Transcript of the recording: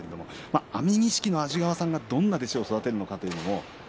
安美錦の安治川さんはどんな弟子を育てるのか。